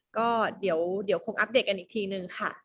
ก็คงอัปเดตกันอีกทีนึงค่ะ